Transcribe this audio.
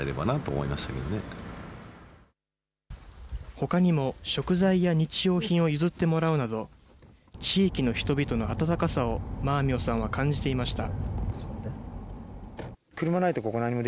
ほかにも、食材や日用品を譲ってもらうなど、地域の人々の温かさを、マーミヨさんは感じていました。